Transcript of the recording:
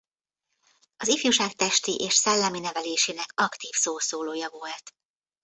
Az ifjúság testi és szellemi nevelésének aktív szószólója volt.